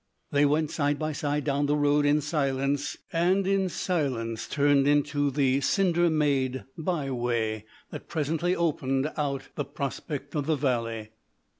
They went side by side down the road in silence, and in silence turned into the cinder made by way that presently opened out the prospect of the valley.